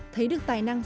thấy được tài năng